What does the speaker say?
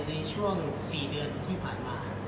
ในช่วง๔เดือนที่ผ่านมา